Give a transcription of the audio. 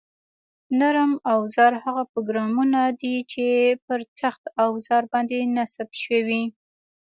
نرم اوزار هغه پروګرامونه دي چې پر سخت اوزار باندې نصب شوي